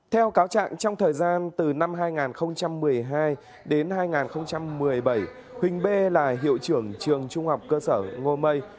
theo cáo trạng trong thời gian từ năm hai nghìn một mươi hai đến hai nghìn một mươi bảy huỳnh b là hiệu trưởng trường trung học cơ sở ngô mây